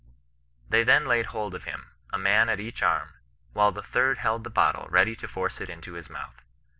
They then laid hold of him, a man at each arm, while the third held the bottle ready to force it into his mouth.